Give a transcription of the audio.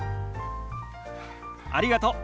ありがとう。